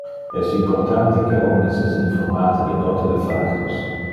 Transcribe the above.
Es importante que omnes es informate de tote le factos.